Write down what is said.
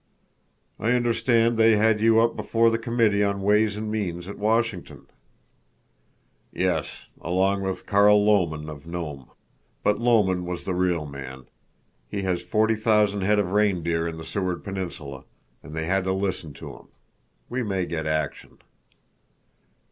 "I understand they had you up before the Committee on Ways and Means at Washington." "Yes, along with Carl Lomen, of Nome. But Lomen was the real man. He has forty thousand head of reindeer in the Seward Peninsula, and they had to listen to him. We may get action."